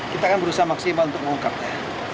kita akan berusaha maksimal untuk mengungkapnya